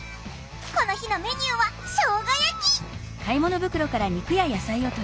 この日のメニューはしょうが焼き。